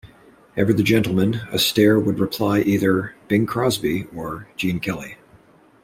Ever the gentleman, Astaire would reply either "Bing Crosby" or "Gene Kelly".